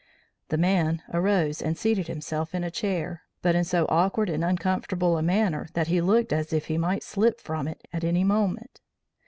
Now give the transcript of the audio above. The man arose and seated himself in a chair, but in so awkward and uncomfortable a manner that he looked as if he might slip from it at any moment.